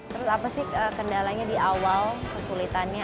terus apa sih kendalanya di awal kesulitannya